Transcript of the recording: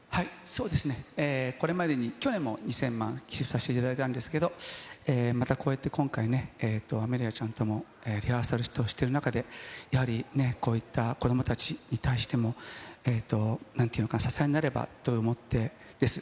そうですね、これまでに去年も２０００万、寄付させていただいたんですけれども、またこうやって今回ね、アメリアちゃんともリハーサルをしてる中で、やはりこういった子どもたちに対しても、なんて言うのか、支えになればと思ってです。